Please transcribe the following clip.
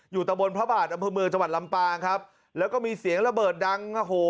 ตะบนพระบาทอำเภอเมืองจังหวัดลำปางครับแล้วก็มีเสียงระเบิดดังโอ้โห